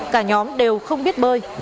cả nhóm đều không biết bơi